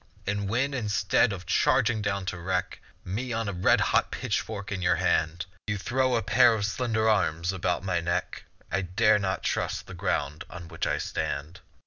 And when, instead of charging down to wreck Me on a red hot pitchfork in your hand, You throw a pair of slender arms about my neck, I dare not trust the ground on which I stand.